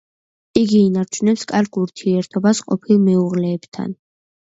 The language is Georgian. იგი ინარჩუნებს კარგ ურთიერთობას ყოფილ მეუღლეებთან.